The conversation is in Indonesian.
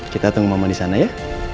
kita tunggu mama di sana ya